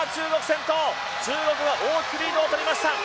中国が大きくリードをとりました。